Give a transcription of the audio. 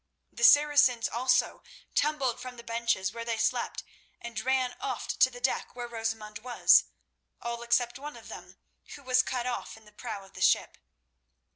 The Saracens also tumbled from the benches where they slept and ran aft to the deck where Rosamund was, all except one of them who was cut off in the prow of the ship.